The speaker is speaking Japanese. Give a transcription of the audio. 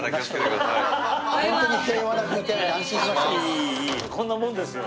いいこんなもんですよ。